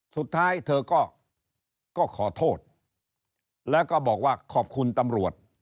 สุดท้ายเธอก็ขอโทษแล้วก็บอกว่าขอบคุณตำรวจ